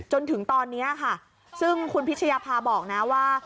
จนถึงตอนนี้ค่ะซึ่งคุณพิชยาภาบอกนะว่า